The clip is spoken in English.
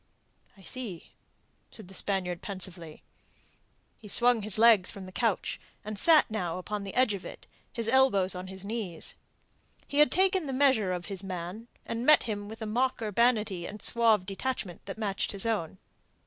"I see," said the Spaniard pensively. He swung his legs from the couch, and sat now upon the edge of it, his elbows on his knees. He had taken the measure of his man, and met him with a mock urbanity and a suave detachment that matched his own.